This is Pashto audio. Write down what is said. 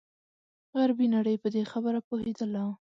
غربي نړۍ په دې خبره پوهېدله.